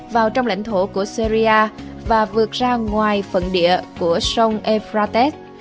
vào trong lãnh thổ của syria và vượt ra ngoài phần địa của sông ephrates